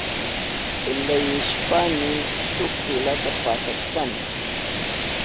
Leyishpayni shuk filata pasashkani.